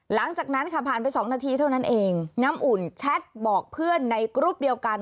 หลังจากนั้นค่ะผ่านไป๒นาทีเท่านั้นเองน้ำอุ่นแชทบอกเพื่อนในกรุ๊ปเดียวกัน